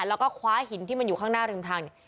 แล้วก็คว้าหินที่มันอยู่ข้างหน้าริมทางเนี่ย